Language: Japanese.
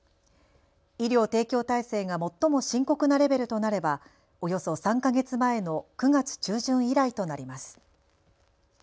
医療提供体制が最も深刻なレベルとなれば、およそ３か月前の９月中旬以来となります。